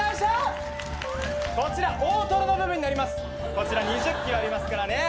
こちら２０ｋｇありますからね。